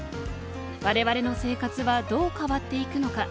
われわれの生活はどう変わっていくのか。